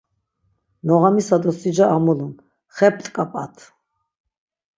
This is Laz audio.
Noğamisa do sica amulun, xe p̆t̆k̆ap̆at!